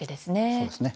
そうですね。